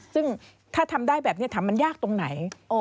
ซึ่งถ้าทำได้แบบนี้ถามมันยากตรงไหน